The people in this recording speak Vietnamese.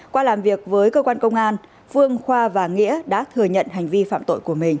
qua làm việc với cơ quan công an phương khoa và nghĩa đã thừa nhận hành vi phạm tội của mình